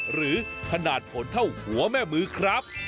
หรือขนาดผลเท่าหัวแม่มือครับ